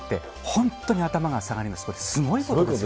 本当に頭が下がります。